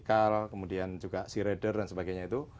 kemudian juga searader dan sebagainya itu